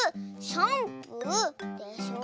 「シャンプー」でしょ。